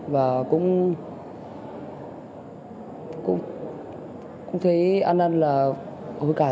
và cũng thấy ăn ăn là hối cài rồi